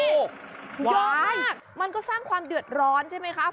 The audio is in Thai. เยอะมากมันก็สร้างความเดือดร้อนใช่ไหมคะ